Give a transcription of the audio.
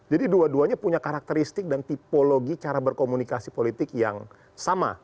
jadi dua duanya punya karakteristik dan tipologi cara berkomunikasi politik yang sama